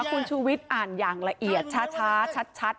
คุณชูวิทย์อ่านอย่างละเอียดช้าชัด